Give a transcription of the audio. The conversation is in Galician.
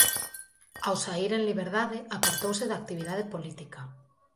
Ao saír en liberdade apartouse da actividade política.